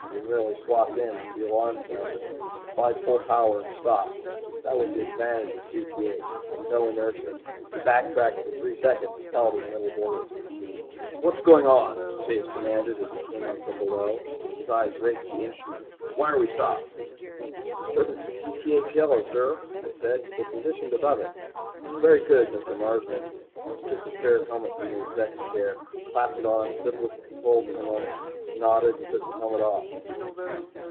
We merely swapped ends as the alarm sounded, applied full power and stopped. That was the advantage of Cth no inertia. We backtracked for three seconds and held in middle blue. "What's going on?" Chase demanded as he came up from below. His eyes raked the instruments. "Why are we stopped?" "Disturbance in Cth yellow, sir," I said. "We're positioned above it." "Very good, Mr. Marsden." He took the spare helmet from the Exec's chair, clapped it on, fiddled with the controls for a moment, nodded, and took the helmet off.